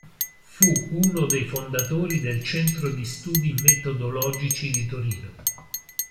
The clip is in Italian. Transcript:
Fu uno dei fondatori del Centro di studi metodologici di Torino.